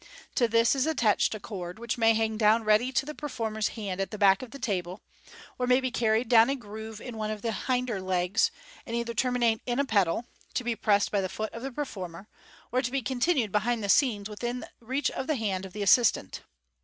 To this is attached a cord, which may hang down ready to the performer's hand at the back of the table, or may be carried down a groove in one of the hinder legs, and either terminate in a pedal (tu be pressed by the foot of the performer), or be continued behind the scenes within reach of the hand of the assistant.